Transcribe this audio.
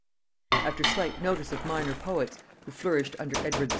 ] After slight notice of the minor poets, who flourished under Edward VI.